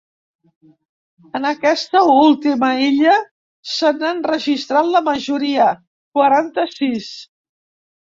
En aquesta última illa se n’han registrat la majoria, quaranta-sis.